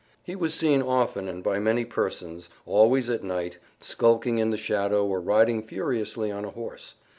He was seen often and by many persons, always at night, skulking in the shadow or riding furiously on a horse.